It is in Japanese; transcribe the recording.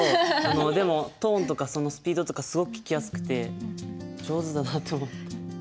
トーンとかスピードとかすごく聞きやすくて上手だなと思った。